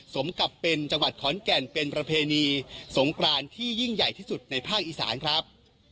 สมกับเป็นจังหวัดขอนแก่นเป็นประเพณีสงกรานที่ยิ่งใหญ่ที่สุดในภาคอีสานครับ